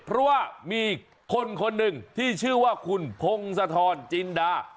เพราะว่ามีคนคนหนึ่งที่ชื่อว่าคุณพงศธรจินดา